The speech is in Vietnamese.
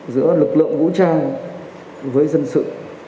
giữa lực lượng vũ trang với dân sự